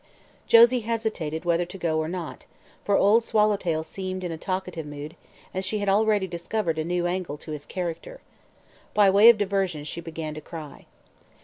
Josie hesitated whether to go or not, for Old Swallowtail seemed in a talkative mood and she had already discovered a new angle to his character. By way of diversion she began to cry.